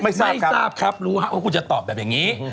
ไม่ทราบครับโอ้ยไม่ทราบครับรู้เพราะว่าจะตอบแบบงี้